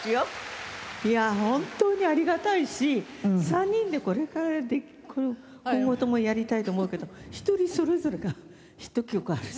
いや本当にありがたいし３人でこれから今後ともやりたいと思うけど１人それぞれがヒット曲あるし。